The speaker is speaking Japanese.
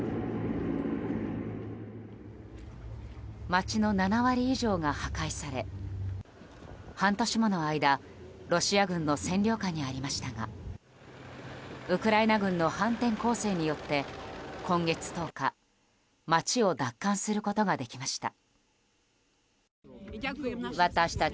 街の７割以上が破壊され半年もの間ロシア軍の占領下にありましたがウクライナ軍の反転攻勢によって今月１０日街を奪還することができました。